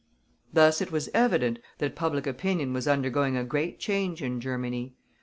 Thus it was evident that public opinion was undergoing a great change in Germany.